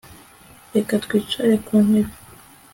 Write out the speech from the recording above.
reka twicare ku ntebe